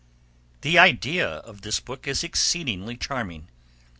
The idea of this book is exceedingly charming.